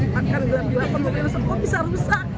makan gelap gelap mobil rusak semua bisa rusak